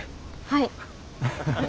はい。